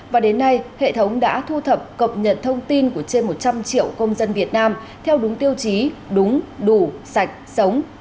và đến nay hệ thống đã thu thập cập nhật thông tin của trên một trăm linh triệu công dân việt nam theo đúng tiêu chí đúng đủ sạch sống